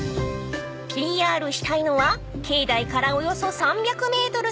［ＰＲしたいのは境内からおよそ３００ｍ先の場所］